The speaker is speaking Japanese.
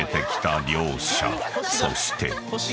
［そして］